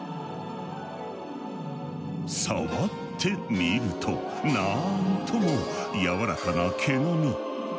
触ってみるとなんともやわらかな毛並み。